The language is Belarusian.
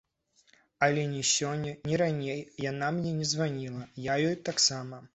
Але ні сёння, ні раней яна мне не званіла, я ёй таксама.